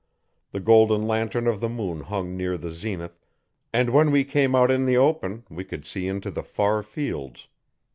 The golden lantern of the moon hung near the zenith and when we came out in the open we could see into the far fields.